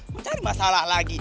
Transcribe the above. mencari masalah lagi